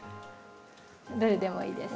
どれでもいいです。